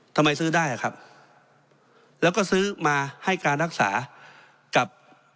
ทำไมซื้อได้อ่ะครับแล้วก็ซื้อมาให้การรักษากับ